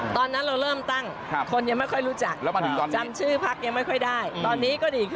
ตอนนั้นเราเริ่มตั้งคนยังไม่ค่อยรู้จักจำชื่อพลักษณ์ยังไม่ค่อยได้